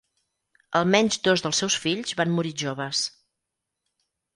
Almenys dos dels seus fills van morir joves.